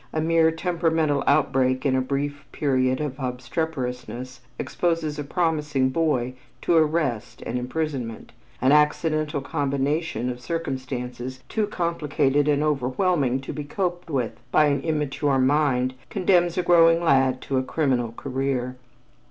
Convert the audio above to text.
A mere temperamental outbreak in a brief period of obstreperousness exposes a promising boy to arrest and imprisonment, an accidental combination of circumstances too complicated and overwhelming to be coped with by an immature mind, condemns a growing lad to a criminal career.